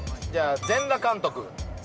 全裸監督。